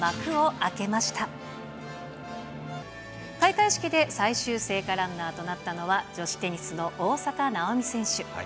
開会式で最終聖火ランナーとなったのは、女子テニスの大坂なおみ選手。